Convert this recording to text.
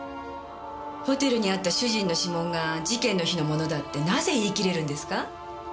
ホテルにあった主人の指紋が事件の日のものだってなぜ言い切れるんですか？